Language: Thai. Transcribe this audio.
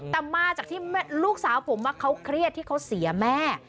แต่มาจากที่ลูกสาวผมว่าเขาเครียดที่เขาเสียแม่